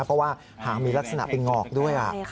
เพราะว่าหางมีลักษณะเป็นงอกด้วย